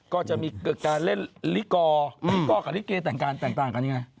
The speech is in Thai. ก็จะมีการเล่นลิกอร์ลิกอร์กับลิเกต่างกันยังไง